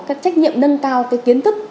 các trách nhiệm nâng cao cái kiến thức